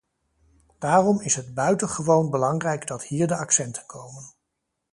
Daarom is het buitengewoon belangrijk dat hier de accenten komen.